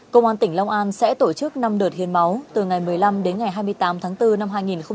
công an tỉnh long an sẽ tổ chức năm đợt hiến máu từ ngày một mươi năm đến ngày hai mươi tám tháng bốn năm hai nghìn hai mươi